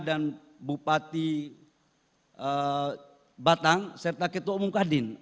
dan bupati batang serta ketua umum kadin